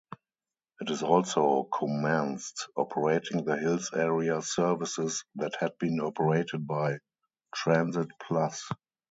It also commenced operating the Hills area services that had been operated by Transitplus.